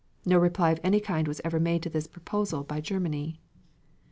No reply of any kind was ever made to this proposal by Germany.